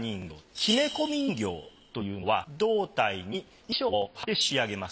木目込み人形というのは胴体に衣装を貼って仕上げます。